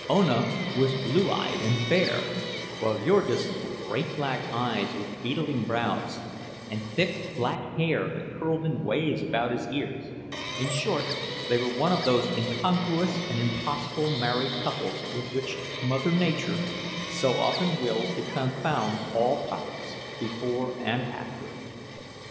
Pronounced Yoorghis Ona was blue eyed and fair, while Jurgis had great black eyes with beetling brows, and thick black hair that curled in waves about his ears—in short, they were one of those incongruous and impossible married couples with which Mother Nature so often wills to confound all prophets, before and after.